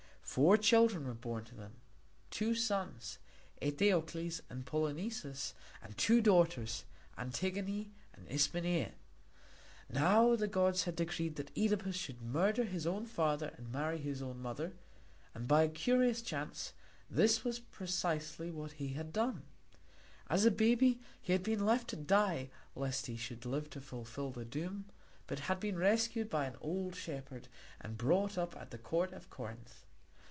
Four children were born to them two sons, Eteocles and Polynices, and two daughters, Antigone and Ismené. Now the gods had decreed that Œdipus should murder his own father and marry his own mother, and by a curious chance this was precisely what he had done. As a baby he had been left to die lest he should live to fulfil the doom, but had been rescued by an old shepherd and brought up at the court of Corinth.